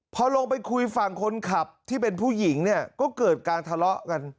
พอลงไปคุยฝั่งคนขับที่เป็นผู้หญิงเนี่ยก็เกิดการทะเลาะกัน